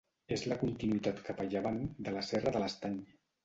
És la continuïtat cap a llevant de la Serra de l'Estany.